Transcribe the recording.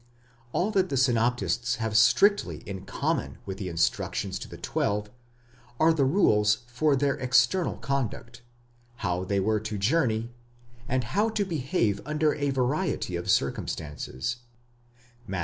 All that the synoptists have strictly in common in the instructions to the twelve, are the rules for their external conduct; how they were to journey, and how to behave under a variety of circumstances (Matt.